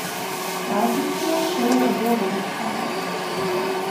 Baltistan shares a border with China.